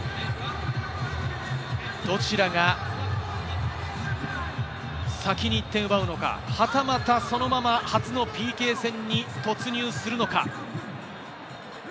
どちらが先に行って奪うのか、はたまたそのまま初のＰＫ戦に突入するのか？